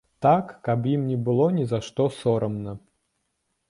Так, каб ім не было ні за што сорамна.